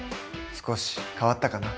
少し変わったかな？